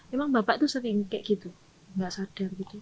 emang bapak itu sering tidak sadar